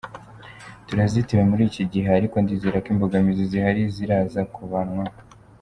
Turazitiwe muri iki gihe, ariko ndizerako imbogamizi zihari ziraza kuvanwaho.